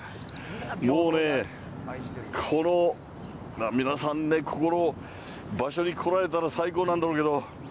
もうね、この皆さんね、ここの場所に来られたら最高なんだろうけど。